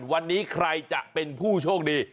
วันนี้ใครจะเป็นผู้โชคดี